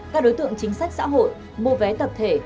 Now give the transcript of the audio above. các đối tượng chính sách xã hội mua vé tập thể